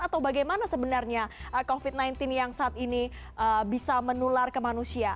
atau bagaimana sebenarnya covid sembilan belas yang saat ini bisa menular ke manusia